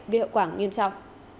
về hợp quản nghiêm trao